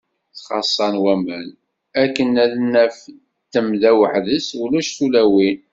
Ttxaṣṣan waman, akken ad naf-n tamda weḥd-s, ulac tulawin.